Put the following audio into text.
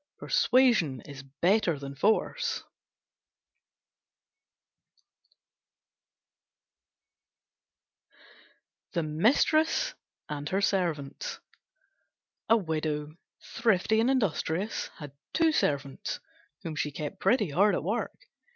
Persuasion is better than force THE MISTRESS AND HER SERVANTS A Widow, thrifty and industrious, had two servants, whom she kept pretty hard at work.